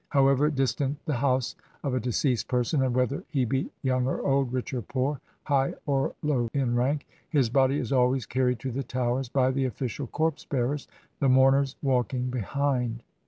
However distant the house of a deceased person, and whether he be young or old, rich or poor, high or low in rank, his body is always carried to the Towers by the official corpse bearers, the mourners walking behind.